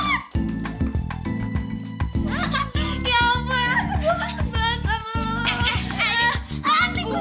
ya ampun aku kaget banget sama lo